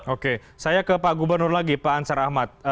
oke saya ke pak gubernur lagi pak ansar ahmad